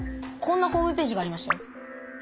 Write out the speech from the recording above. こんなホームページがありましたよ。